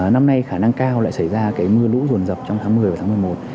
năm nay khả năng cao lại xảy ra cái mưa lũ ruồn dập trong tháng một mươi và tháng một mươi một